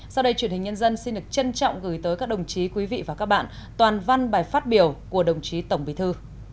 sau đây truyền hình nhân dân xin được trân trọng gửi tới các đồng chí quý vị và các bạn toàn văn bài phát biểu của đồng chí tổng bí thư